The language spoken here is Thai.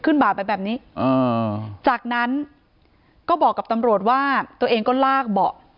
บ่าไปแบบนี้อ่าจากนั้นก็บอกกับตำรวจว่าตัวเองก็ลากเบาะ